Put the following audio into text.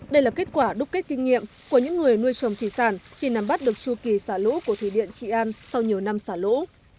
đây là kết quả đúc kết kinh nghiệm của những người nuôi trồng thủy sản khi nắm bắt được chu kỳ xả lũ của thủy điện trị an sau nhiều năm xả lũ